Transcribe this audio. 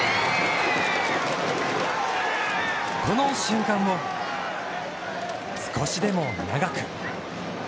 この瞬間を少しでも長く。